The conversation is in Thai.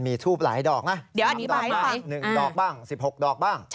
มีทูปหลายดอกสามปั้ง๑ดอกซิบหกดอก